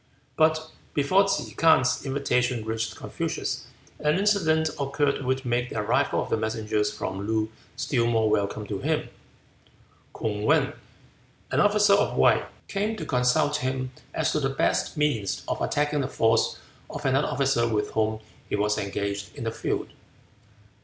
But before Ke K'ang's invitation reached Confucius an incident occurred which made the arrival of the messengers from Loo still more welcome to him. K'ung Wan, an officer of Wei, came to consult him as to the best means of attacking the force of another officer with whom he was engaged in a feud.